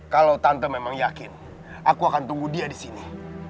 kalau tante memang yakin aku akan tunggu dia disini